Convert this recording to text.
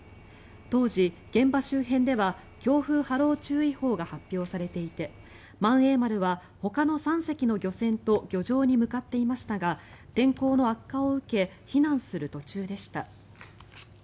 当時、現場周辺では強風・波浪注意報が発表されていて「萬栄丸」はほかの３隻の漁船と漁場に向かっていましたが天候の悪化を受け避難する途中でした。